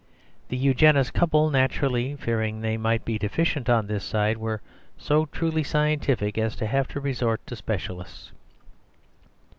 The Eugenist couple, naturally fearing they might be deficient on this side, were so truly scientific as to have resort to specialists.